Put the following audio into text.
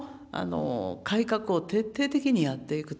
この改革を徹底的にやっていくと。